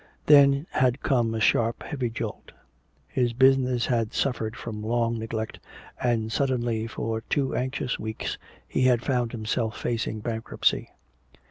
Then had come a sharp heavy jolt. His business had suffered from long neglect, and suddenly for two anxious weeks he had found himself facing bankruptcy.